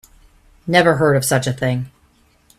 Never heard of such a thing.